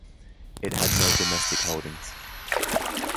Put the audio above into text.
It had no domestic holdings.